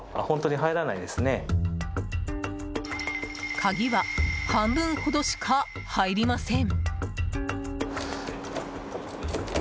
鍵は半分ほどしか入りません。